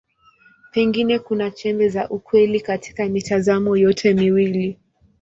Pengine kuna chembe za ukweli katika mitazamo yote miwili.